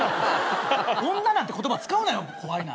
女なんて言葉使うなよ怖いな。